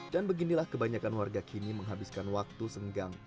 dan beginilah kebanyakan warga kini menghabiskan waktu senggang